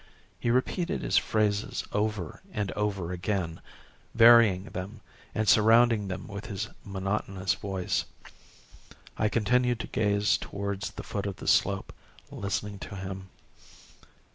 He repeated his phrases over and over again, varying them and surrounding them with his monotonous voice. I continued to gaze towards the foot of the slope, listening to him.